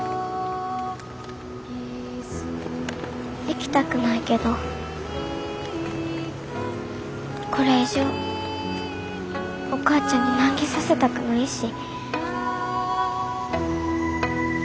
行きたくないけどこれ以上お母ちゃんに難儀させたくないし。